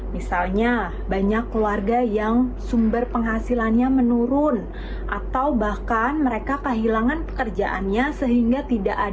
misalnya banyak keluarga yang sumber penghasilannya menurun atau bahkan mereka kehilangan pekerjaannya sehingga tidak ada